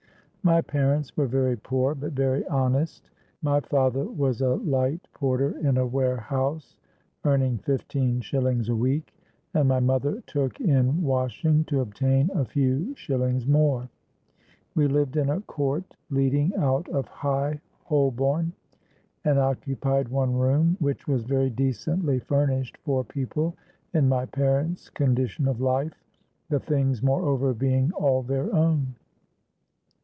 "My parents were very poor, but very honest; and I was their only child. My father was a light porter in a warehouse, earning fifteen shillings a week; and my mother took in washing to obtain a few shillings more. We lived in a court leading out of High Holborn, and occupied one room, which was very decently furnished for people in my parents' condition of life, the things moreover being all their own.